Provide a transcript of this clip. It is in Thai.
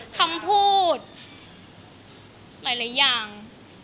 คำพูดหลายอย่าง